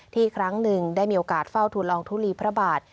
ครั้งหนึ่งได้มีโอกาสเฝ้าทุนลองทุลีพระบาท